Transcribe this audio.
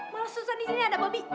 malah susah di sini ada bobi